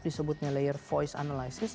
disebutnya layer voice analysis